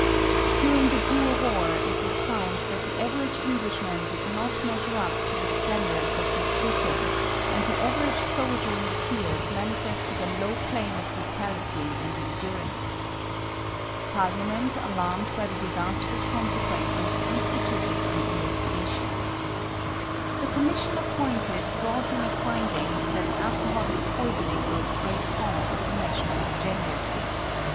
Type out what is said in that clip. During the Boer War it was found that the average Englishman did not measure up to the standards of recruiting and the average soldier in the field manifested a low plane of vitality and endurance. Parliament, alarmed by the disastrous consequences, instituted an investigation. The commission appointed brought in a finding that alcoholic poisoning was the great cause of the national degeneracy.